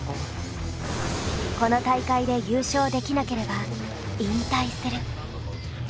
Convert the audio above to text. この大会で優勝できなければ引退する。